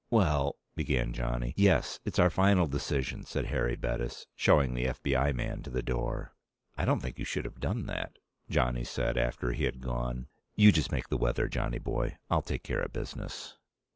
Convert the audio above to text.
"Well " began Johnny. "Yes, it's our final decision," said Harry Bettis, showing the F.B.I. man to the door. "I don't think you should have done that," Johnny said after he had gone. "You just make the weather, Johnny boy. I'll take care of business."